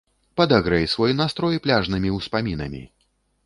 Падагрэй свой настрой пляжнымі успамінамі!